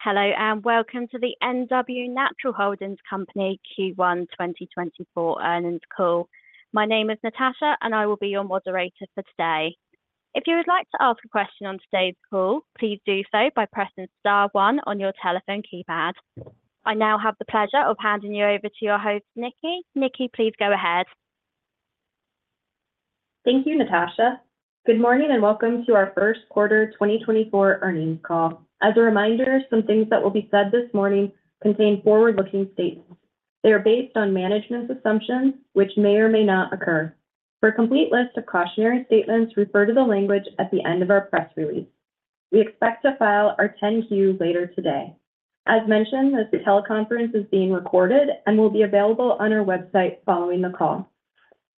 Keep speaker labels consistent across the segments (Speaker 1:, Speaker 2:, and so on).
Speaker 1: Hello and welcome to the NW Natural Holdings Company Q1 2024 earnings call. My name is Natasha and I will be your moderator for today. If you would like to ask a question on today's call, please do so by pressing star one on your telephone keypad. I now have the pleasure of handing you over to your host, Nikki. Nikki, please go ahead.
Speaker 2: Thank you, Natasha. Good morning and welcome to our first quarter 2024 earnings call. As a reminder, some things that will be said this morning contain forward-looking statements. They are based on management's assumptions, which may or may not occur. For a complete list of cautionary statements, refer to the language at the end of our press release. We expect to file our 10-Q later today. As mentioned, this teleconference is being recorded and will be available on our website following the call.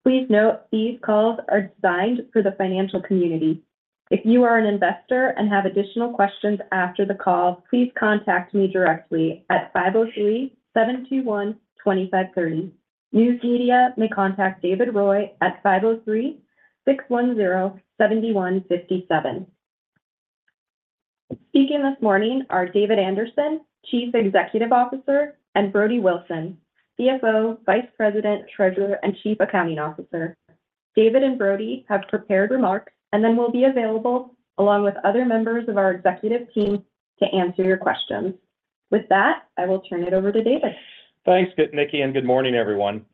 Speaker 2: Please note these calls are designed for the financial community. If you are an investor and have additional questions after the call, please contact me directly at 503-721-2530. News media may contact David Roy at 503-610-7157. Speaking this morning are David Anderson, Chief Executive Officer, and Brody Wilson, CFO, Vice President, Treasurer, and Chief Accounting Officer. David and Brody have prepared remarks and then will be available along with other members of our executive team to answer your questions. With that, I will turn it over to David.
Speaker 3: Thanks, Nikki, and good morning, everyone.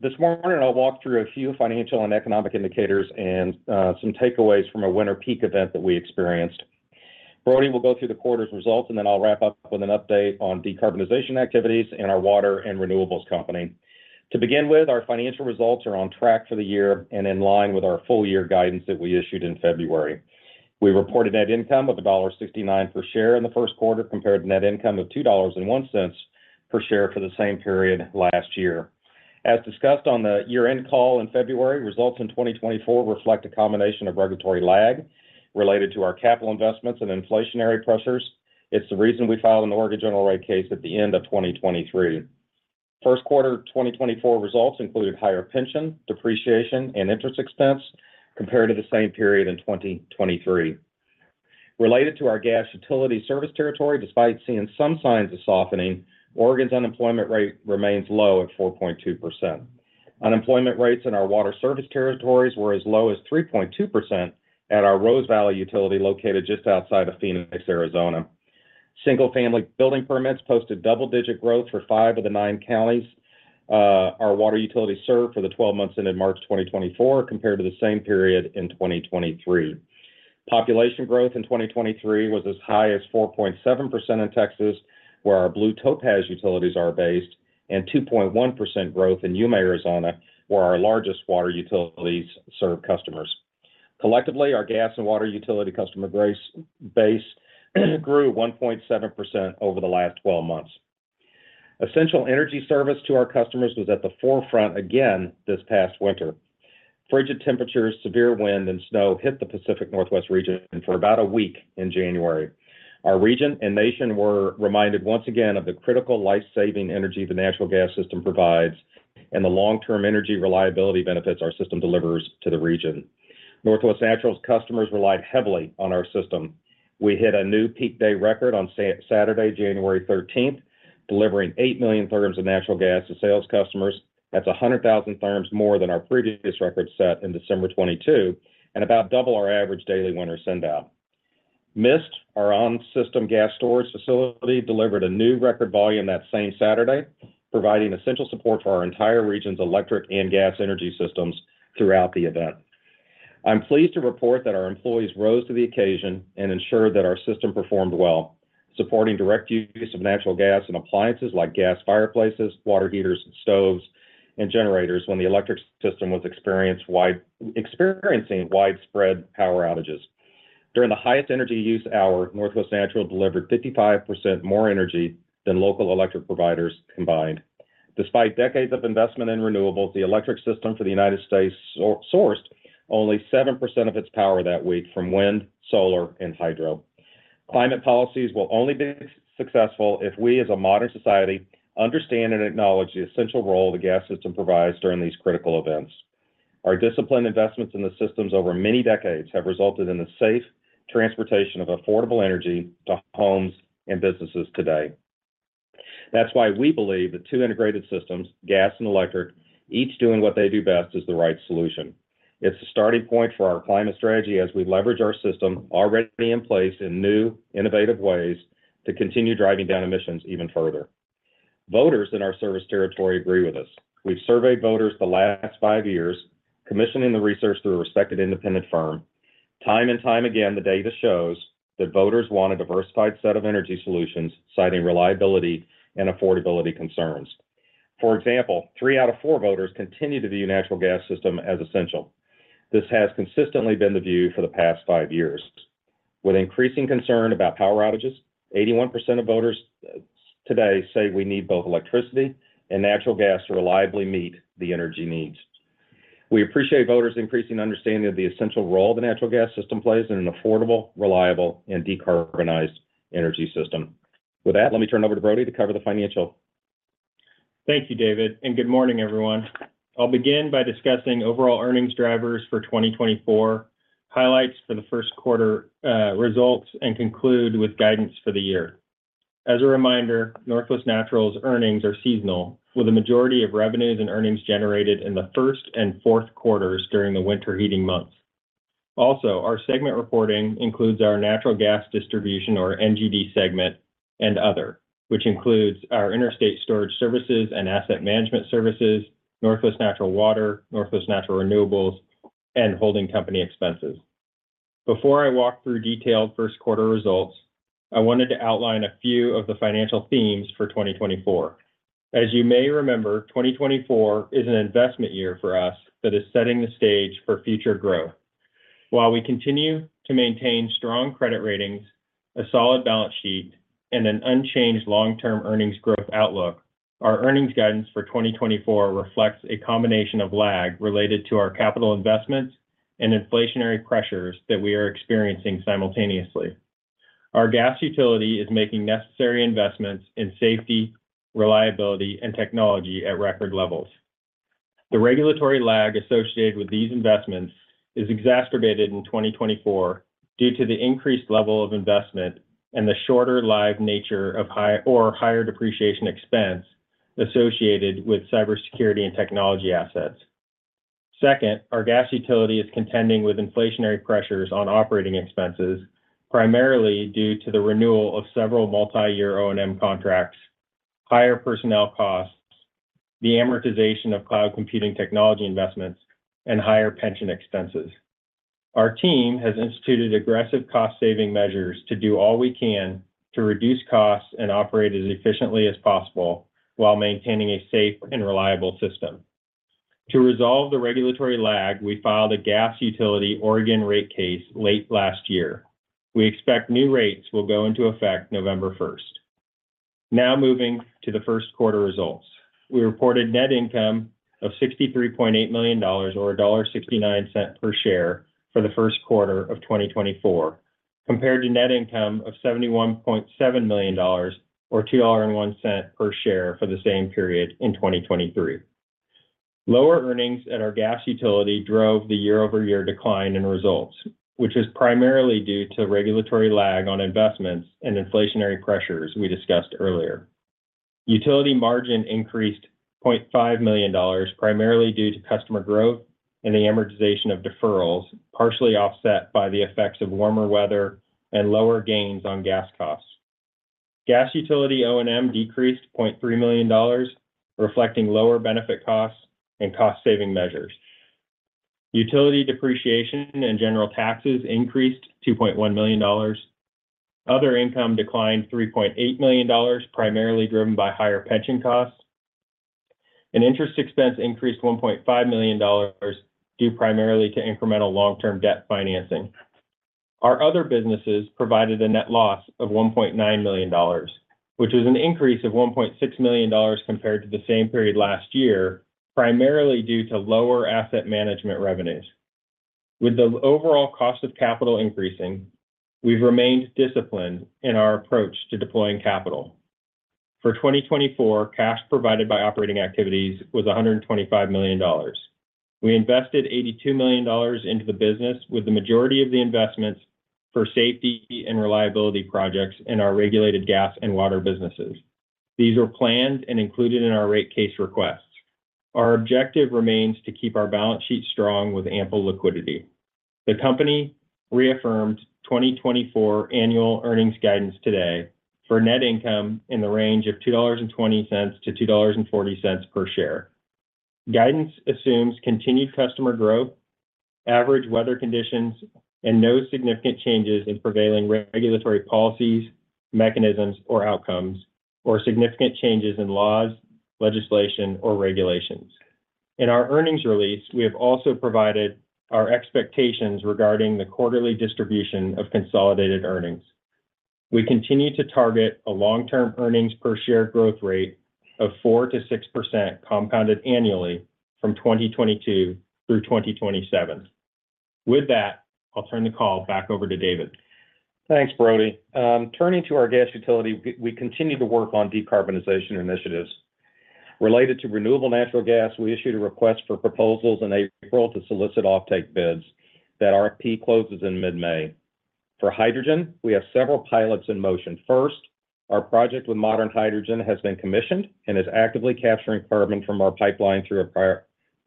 Speaker 3: This morning I'll walk through a few financial and economic indicators and some takeaways from a winter peak event that we experienced. Brody will go through the quarter's results and then I'll wrap up with an update on decarbonization activities in our water and renewables company. To begin with, our financial results are on track for the year and in line with our full-year guidance that we issued in February. We reported net income of $1.69 per share in the first quarter compared to net income of $2.01 per share for the same period last year. As discussed on the year-end call in February, results in 2024 reflect a combination of regulatory lag related to our capital investments and inflationary pressures. It's the reason we filed an Oregon general rate case at the end of 2023. First quarter 2024 results included higher pension, depreciation, and interest expense compared to the same period in 2023. Related to our gas utility service territory, despite seeing some signs of softening, Oregon's unemployment rate remains low at 4.2%. Unemployment rates in our water service territories were as low as 3.2% at our Rose Valley utility located just outside of Phoenix, Arizona. Single-family building permits posted double-digit growth for five of the nine counties. Our water utilities served for the 12 months ended March 2024 compared to the same period in 2023. Population growth in 2023 was as high as 4.7% in Texas, where our Blue Topaz utilities are based, and 2.1% growth in Yuma, Arizona, where our largest water utilities serve customers. Collectively, our gas and water utility customer base grew 1.7% over the last 12 months. Essential energy service to our customers was at the forefront again this past winter. Frigid temperatures, severe wind, and snow hit the Pacific Northwest region for about a week in January. Our region and nation were reminded once again of the critical life-saving energy the natural gas system provides and the long-term energy reliability benefits our system delivers to the region. Northwest Natural's customers relied heavily on our system. We hit a new peak day record on Saturday, January 13th, delivering 8 million therms of natural gas to sales customers. That's 100,000 therms more than our previous record set in December 2022 and about double our average daily winter send-out. Mist, our on-system gas storage facility, delivered a new record volume that same Saturday, providing essential support for our entire region's electric and gas energy systems throughout the event. I'm pleased to report that our employees rose to the occasion and ensured that our system performed well, supporting direct use of natural gas in appliances like gas fireplaces, water heaters, stoves, and generators when the electric system was experiencing widespread power outages. During the highest energy use hour, Northwest Natural delivered 55% more energy than local electric providers combined. Despite decades of investment in renewables, the electric system for the United States sourced only 7% of its power that week from wind, solar, and hydro. Climate policies will only be successful if we, as a modern society, understand and acknowledge the essential role the gas system provides during these critical events. Our disciplined investments in the systems over many decades have resulted in the safe transportation of affordable energy to homes and businesses today. That's why we believe the two integrated systems, gas and electric, each doing what they do best is the right solution. It's the starting point for our climate strategy as we leverage our system already in place in new, innovative ways to continue driving down emissions even further. Voters in our service territory agree with us. We've surveyed voters the last five years, commissioning the research through a respected independent firm. Time and time again, the data shows that voters want a diversified set of energy solutions, citing reliability and affordability concerns. For example, three out of four voters continue to view the natural gas system as essential. This has consistently been the view for the past five years. With increasing concern about power outages, 81% of voters today say we need both electricity and natural gas to reliably meet the energy needs. We appreciate voters' increasing understanding of the essential role the natural gas system plays in an affordable, reliable, and decarbonized energy system. With that, let me turn over to Brody to cover the financial.
Speaker 4: Thank you, David, and good morning, everyone. I'll begin by discussing overall earnings drivers for 2024, highlights for the first quarter results, and conclude with guidance for the year. As a reminder, Northwest Natural's earnings are seasonal, with a majority of revenues and earnings generated in the first and fourth quarters during the winter heating months. Also, our segment reporting includes our natural gas distribution, or NGD segment, and other, which includes our interstate storage services and asset management services, Northwest Natural Water, Northwest Natural Renewables, and holding company expenses. Before I walk through detailed first quarter results, I wanted to outline a few of the financial themes for 2024. As you may remember, 2024 is an investment year for us that is setting the stage for future growth. While we continue to maintain strong credit ratings, a solid balance sheet, and an unchanged long-term earnings growth outlook, our earnings guidance for 2024 reflects a combination of lag related to our capital investments and inflationary pressures that we are experiencing simultaneously. Our gas utility is making necessary investments in safety, reliability, and technology at record levels. The regulatory lag associated with these investments is exacerbated in 2024 due to the increased level of investment and the shorter-lived nature of high or higher depreciation expense associated with cybersecurity and technology assets. Second, our gas utility is contending with inflationary pressures on operating expenses, primarily due to the renewal of several multi-year O&M contracts, higher personnel costs, the amortization of cloud computing technology investments, and higher pension expenses. Our team has instituted aggressive cost-saving measures to do all we can to reduce costs and operate as efficiently as possible while maintaining a safe and reliable system. To resolve the regulatory lag, we filed a gas utility Oregon rate case late last year. We expect new rates will go into effect November 1st. Now moving to the first quarter results. We reported net income of $63.8 million, or $1.69 per share, for the first quarter of 2024, compared to net income of $71.7 million, or $2.01 per share, for the same period in 2023. Lower earnings at our gas utility drove the year-over-year decline in results, which is primarily due to regulatory lag on investments and inflationary pressures we discussed earlier. Utility margin increased $0.5 million, primarily due to customer growth and the amortization of deferrals, partially offset by the effects of warmer weather and lower gains on gas costs. Gas utility O&M decreased $0.3 million, reflecting lower benefit costs and cost-saving measures. Utility depreciation and general taxes increased $2.1 million. Other income declined $3.8 million, primarily driven by higher pension costs. Interest expense increased $1.5 million due primarily to incremental long-term debt financing. Our other businesses provided a net loss of $1.9 million, which was an increase of $1.6 million compared to the same period last year, primarily due to lower asset management revenues. With the overall cost of capital increasing, we've remained disciplined in our approach to deploying capital. For 2024, cash provided by operating activities was $125 million. We invested $82 million into the business with the majority of the investments for safety and reliability projects in our regulated gas and water businesses. These were planned and included in our rate case requests. Our objective remains to keep our balance sheet strong with ample liquidity. The company reaffirmed 2024 annual earnings guidance today for net income in the range of $2.20-$2.40 per share. Guidance assumes continued customer growth, average weather conditions, and no significant changes in prevailing regulatory policies, mechanisms, or outcomes, or significant changes in laws, legislation, or regulations. In our earnings release, we have also provided our expectations regarding the quarterly distribution of consolidated earnings. We continue to target a long-term earnings per share growth rate of 4%-6% compounded annually from 2022 through 2027. With that, I'll turn the call back over to David.
Speaker 3: Thanks, Brody. Turning to our gas utility, we continue to work on decarbonization initiatives. Related to renewable natural gas, we issued a request for proposals in April to solicit offtake bids. That RFP closes in mid-May. For hydrogen, we have several pilots in motion. First, our project with Modern Hydrogen has been commissioned and is actively capturing carbon from our pipeline through a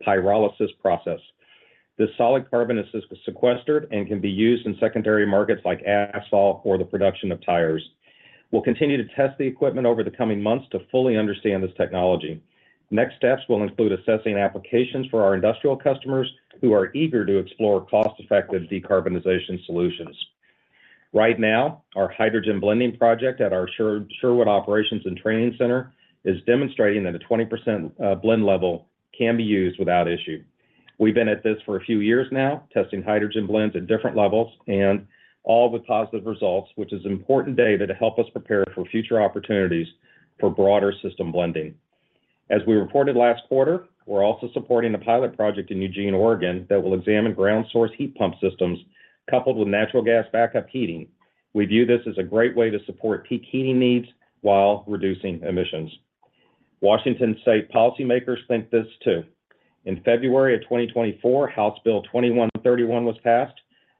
Speaker 3: pyrolysis process. This solid carbon is sequestered and can be used in secondary markets like asphalt for the production of tires. We'll continue to test the equipment over the coming months to fully understand this technology. Next steps will include assessing applications for our industrial customers who are eager to explore cost-effective decarbonization solutions. Right now, our hydrogen blending project at our Sherwood Operations and Training Center is demonstrating that a 20% blend level can be used without issue. We've been at this for a few years now, testing hydrogen blends at different levels, and all with positive results, which is important data to help us prepare for future opportunities for broader system blending. As we reported last quarter, we're also supporting a pilot project in Eugene, Oregon, that will examine ground-source heat pump systems coupled with natural gas backup heating. We view this as a great way to support peak heating needs while reducing emissions. Washington State policymakers think this too. In February of 2024, House Bill 2131 was passed,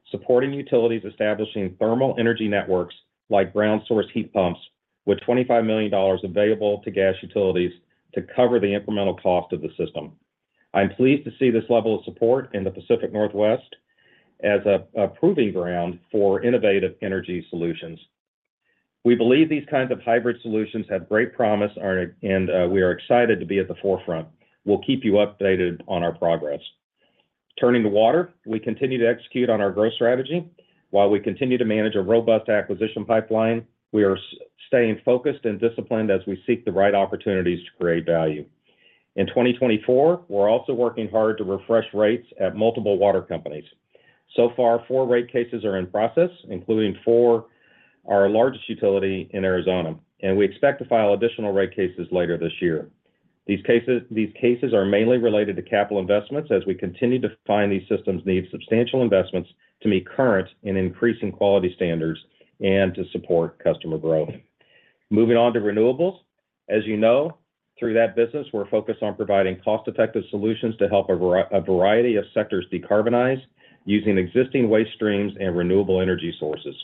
Speaker 3: supporting utilities establishing thermal energy networks like ground-source heat pumps, with $25 million available to gas utilities to cover the incremental cost of the system. I'm pleased to see this level of support in the Pacific Northwest as a proving ground for innovative energy solutions. We believe these kinds of hybrid solutions have great promise, and we are excited to be at the forefront. We'll keep you updated on our progress. Turning to water, we continue to execute on our growth strategy. While we continue to manage a robust acquisition pipeline, we are staying focused and disciplined as we seek the right opportunities to create value. In 2024, we're also working hard to refresh rates at multiple water companies. So far, four rate cases are in process, including for our largest utility in Arizona, and we expect to file additional rate cases later this year. These cases are mainly related to capital investments as we continue to find these systems need substantial investments to meet current and increasing quality standards and to support customer growth. Moving on to renewables. As you know, through that business, we're focused on providing cost-effective solutions to help a variety of sectors decarbonize using existing waste streams and renewable energy sources.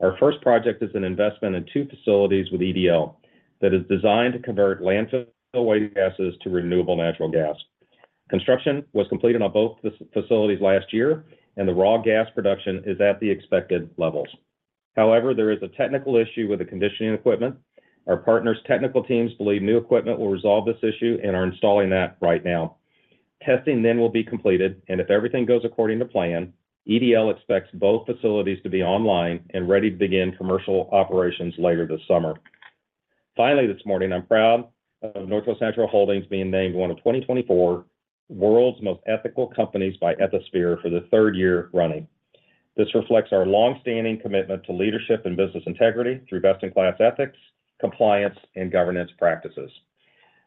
Speaker 3: Our first project is an investment in two facilities with EDL that is designed to convert landfill waste gases to renewable natural gas. Construction was completed on both facilities last year, and the raw gas production is at the expected levels. However, there is a technical issue with the conditioning equipment. Our partner's technical teams believe new equipment will resolve this issue and are installing that right now. Testing then will be completed, and if everything goes according to plan, EDL expects both facilities to be online and ready to begin commercial operations later this summer. Finally this morning, I'm proud of Northwest Natural Holdings being named one of 2024's World's Most Ethical Companies by Ethisphere for the third year running. This reflects our longstanding commitment to leadership and business integrity through best-in-class ethics, compliance, and governance practices.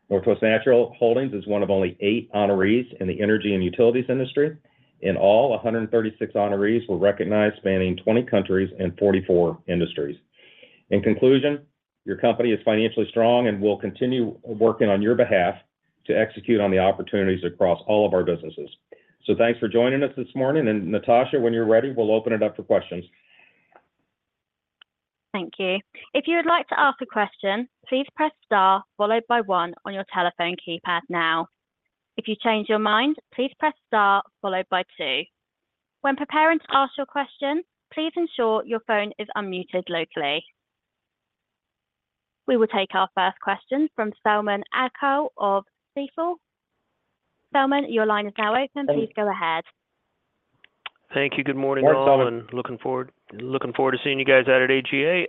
Speaker 3: Northwest Natural Holdings is one of only eight honorees in the energy and utilities industry. In all, 136 honorees were recognized spanning 20 countries and 44 industries. In conclusion, your company is financially strong and will continue working on your behalf to execute on the opportunities across all of our businesses. So thanks for joining us this morning. And Natasha, when you're ready, we'll open it up for questions.
Speaker 1: Thank you. If you would like to ask a question, please press star followed by one on your telephone keypad now. If you change your mind, please press star followed by two. When preparing to ask your question, please ensure your phone is unmuted locally. We will take our first question from Selman Akyol of Stifel. Selman, your line is now open. Please go ahead.
Speaker 5: Thank you. Good morning, all. Looking forward to seeing you guys out at AGA.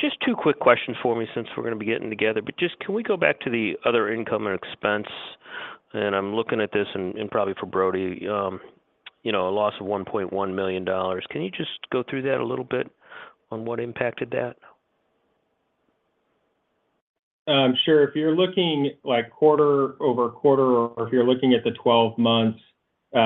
Speaker 5: Just two quick questions for me since we're going to be getting together. But just can we go back to the other income and expense? And I'm looking at this and probably for Brody, a loss of $1.1 million. Can you just go through that a little bit on what impacted that?
Speaker 4: I'm sure. If you're looking quarter-over-quarter or if you're looking at the 12 months,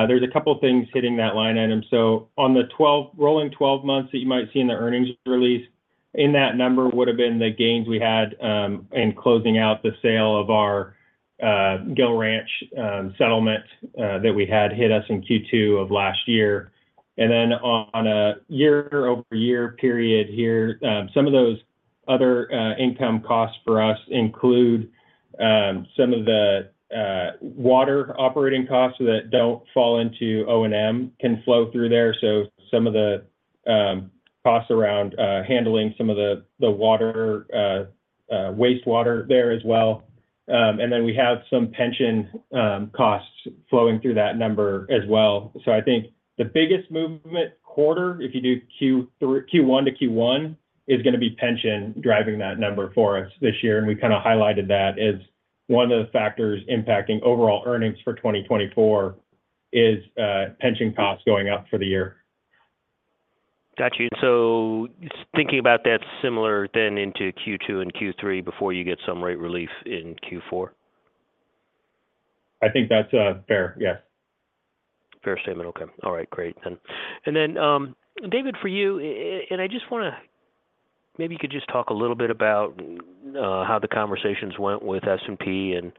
Speaker 4: there's a couple of things hitting that line item. So on the rolling 12 months that you might see in the earnings release, in that number would have been the gains we had in closing out the sale of our Gill Ranch settlement that we had hit us in Q2 of last year. And then on a year-over-year period here, some of those other income costs for us include some of the water operating costs that don't fall into O&M can flow through there. So some of the costs around handling some of the wastewater there as well. And then we have some pension costs flowing through that number as well. So I think the biggest movement quarter, if you do Q1 to Q1, is going to be pension driving that number for us this year. We kind of highlighted that as one of the factors impacting overall earnings for 2024 is pension costs going up for the year.
Speaker 5: Got you. So thinking about that similar then into Q2 and Q3 before you get some rate relief in Q4?
Speaker 4: I think that's fair. Yes.
Speaker 5: Fair statement. Okay. All right. Great, then. And then, David, for you and I just want to maybe you could just talk a little bit about how the conversations went with S&P and,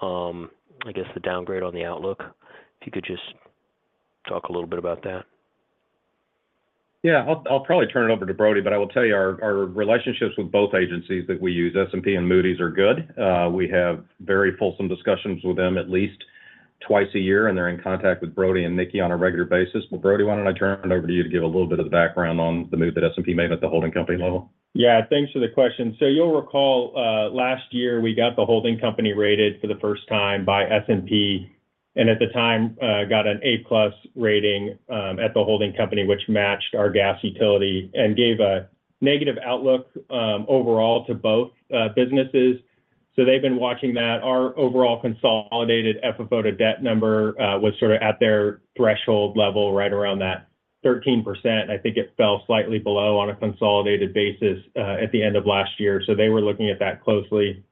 Speaker 5: I guess, the downgrade on the outlook. If you could just talk a little bit about that.
Speaker 3: Yeah. I'll probably turn it over to Brody. But I will tell you, our relationships with both agencies that we use, S&P and Moody's, are good. We have very fulsome discussions with them at least twice a year, and they're in contact with Brody and Nikki on a regular basis. Well, Brody, why don't I turn it over to you to give a little bit of the background on the move that S&P made at the holding company level?
Speaker 4: Yeah. Thanks for the question. So you'll recall last year, we got the holding company rated for the first time by S&P and at the time got an A+ rating at the holding company, which matched our gas utility and gave a negative outlook overall to both businesses. So they've been watching that. Our overall consolidated FFO to debt number was sort of at their threshold level, right around that 13%. I think it fell slightly below on a consolidated basis at the end of last year. So they were looking at that closely.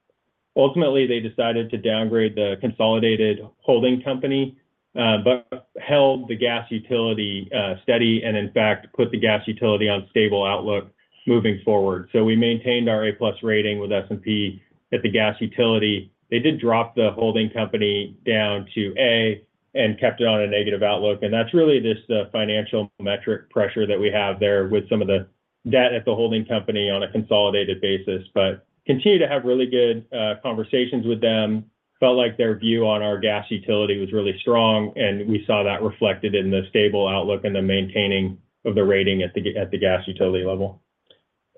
Speaker 4: Ultimately, they decided to downgrade the consolidated holding company but held the gas utility steady and, in fact, put the gas utility on stable outlook moving forward. So we maintained our A+ rating with S&P at the gas utility. They did drop the holding company down to A and kept it on a negative outlook. That's really just the financial metric pressure that we have there with some of the debt at the holding company on a consolidated basis. But continue to have really good conversations with them. Felt like their view on our gas utility was really strong, and we saw that reflected in the stable outlook and the maintaining of the rating at the gas utility level.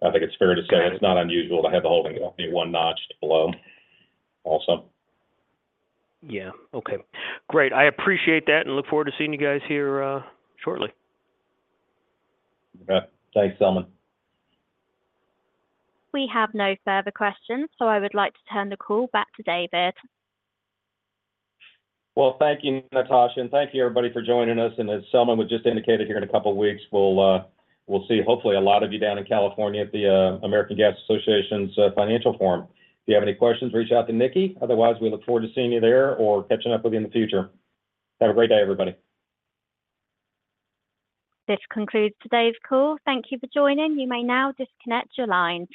Speaker 3: I think it's fair to say it's not unusual to have the holding company one notch below also.
Speaker 5: Yeah. Okay. Great. I appreciate that and look forward to seeing you guys here shortly.
Speaker 3: Okay. Thanks, Selman.
Speaker 1: We have no further questions, so I would like to turn the call back to David.
Speaker 3: Well, thank you, Natasha. And thank you, everybody, for joining us. And as Selman would just indicate, here in a couple of weeks, we'll see, hopefully, a lot of you down in California at the American Gas Association's Financial Forum. If you have any questions, reach out to Nikki. Otherwise, we look forward to seeing you there or catching up with you in the future. Have a great day, everybody.
Speaker 1: This concludes today's call. Thank you for joining. You may now disconnect your line.